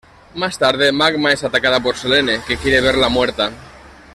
Más tarde, Magma es atacada por Selene, que quiere verla muerta.